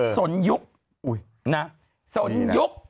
ส่วนยุคส่วนยุค